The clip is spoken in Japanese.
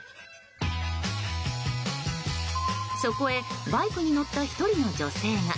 そこへバイクに乗った１人の女性が。